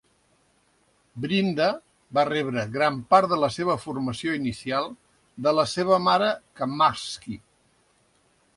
Brinda va rebre gran part de la seva formació inicial de la seva mare Kamakshi.